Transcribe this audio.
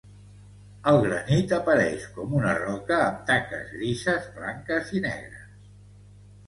El granit apareix com una roca amb taques grises, blanques i negres.